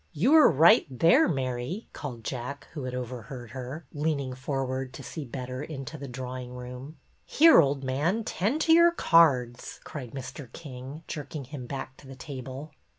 " You are right there, Mary," called Jack, who had overheard her, leaning forward to see better into the drawing room. " Here, old man, tend to your cards," cried Mr. King, jerking him back to the table.